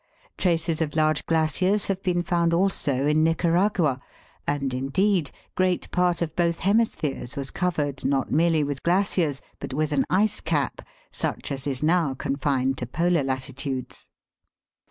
Traces of large Fig. 16. SHEEP ROCKS. glaciers have been found also in Nicaragua, and, indeed, great part of both hemispheres was covered not merely with glaciers, but with an ice cap, such as is now confined to Polar latitudes.